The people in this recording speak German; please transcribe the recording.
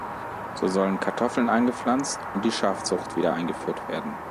So sollen Kartoffeln angepflanzt und die Schafzucht wieder eingeführt werden.